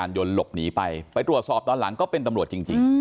จักรยานยนต์หลบหนีไปไปตรวจสอบตอนหลังก็เป็นตำรวจจริง